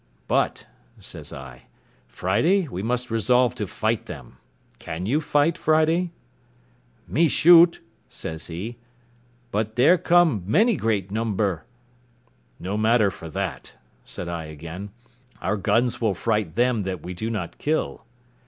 "But," says I, "Friday, we must resolve to fight them. Can you fight, Friday?" "Me shoot," says he, "but there come many great number." "No matter for that," said I again; "our guns will fright them that we do not kill."